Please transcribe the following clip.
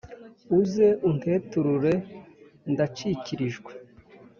uze unteturure ndacikirijwe!